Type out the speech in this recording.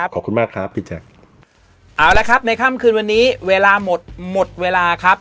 ขอบคุณมากครับพี่แจ๊คเอาละครับในค่ำคืนวันนี้เวลาหมดหมดเวลาครับ